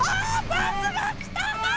バスがきた！